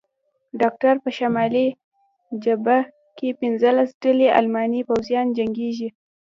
ډاکټر: په شمالي جبهه کې پنځلس ډلې الماني پوځیان جنګېږي.